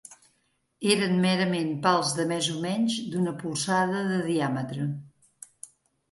Eren merament pals de més o menys d'una polzada de diàmetre.